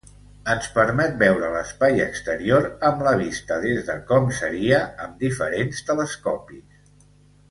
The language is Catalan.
Ens permet veure l'espai exterior amb la vista des de com seria amb diferents telescopis.